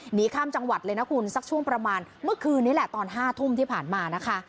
หนีข้ามจังหวัดเลยนะคุณสักช่วงประมาณเมื่อคืนนี้แหละตอน๕ทุ่มที่ผ่านมานะคะ